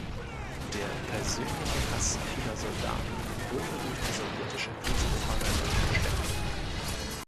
Der persönliche Hass vieler Soldaten wurde durch die sowjetische Kriegspropaganda verstärkt.